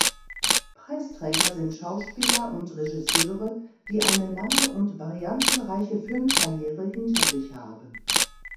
Preisträger sind Schauspieler und Regisseure, die eine lange und variantenreiche Filmkarriere hinter sich haben.